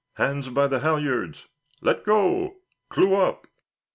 "Hands by the halyards! Let go! Clew up!"